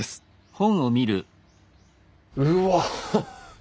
うわ！